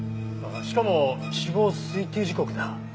しかも死亡推定時刻だ。